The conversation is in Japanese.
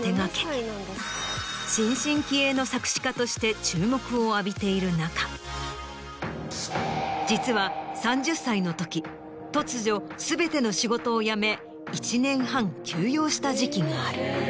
２７歳という若さで。を浴びている中実は３０歳のとき突如全ての仕事を辞め１年半休養した時期がある。